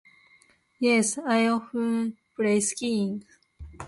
Yes, I offer bright skin.